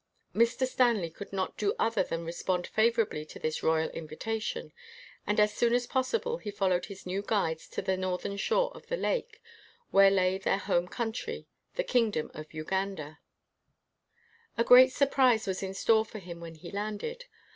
Mr. Stanley could not do other than respond favorably to this royal invitation, and as soon as possible he followed his new guides to the northern shore of the lake, where lay their home country, the kingdom of Uganda. A great surprise was in store for him when he landed.